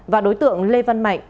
và đối tượng lê văn mạnh